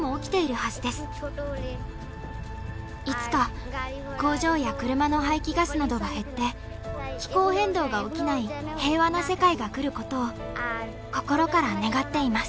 いつか工場や車の排気ガスなどが減って気候変動が起きない平和な世界が来ることを心から願っています。